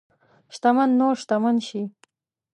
شتمن نور شتمن شي.